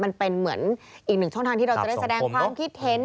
มันเป็นเหมือนอีกหนึ่งช่องทางที่เราจะได้แสดงความคิดเห็น